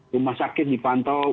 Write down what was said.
rumah sakit dipantau